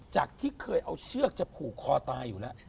จากที่เคยเอาเชือกจะผูกคอตายอยู่แล้ว